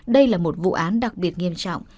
đây là một vụ án đặc biệt nghiêm trọng